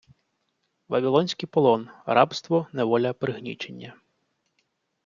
Вавілонський полон - «рабство», «неволя», «пригнічення».